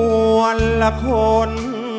อ้วนละคน